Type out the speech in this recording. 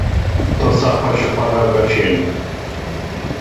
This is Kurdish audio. Tirsa xwe ji xwe re veşêrin.